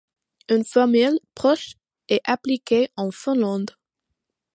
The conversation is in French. Une formule proche est appliquée en Finlande.